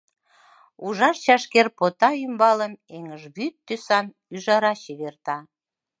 Ужар чашкер-пота ӱмбалым эҥыжвӱд тӱсан ӱжара чеверта.